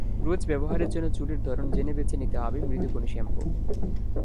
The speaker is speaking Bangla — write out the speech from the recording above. রোজ ব্যবহারের জন্য চুলের ধরন জেনে বেছে নিতে হবে মৃদু কোনো শ্যাম্পু।